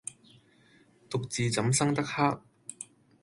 獨自怎生得黑！